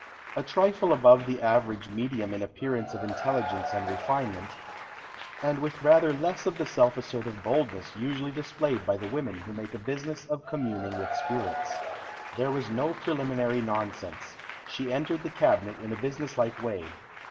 A trifle above the average medium in appearance of intelligence and refinement, and with rather less of the self assertive boldness usually displayed by the women who make a business of communing with spirits. There was no preliminary nonsense. She entered the cabinet in a business like way.